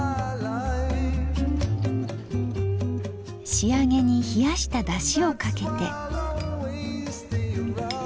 仕上げに冷やしただしをかけて。